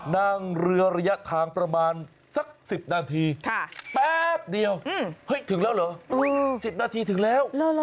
นั่งเรือระยะทางประมาณสัก๑๐นาทีแป๊บเดียวเฮ้ยถึงแล้วเหรอ๑๐นาทีถึงแล้ว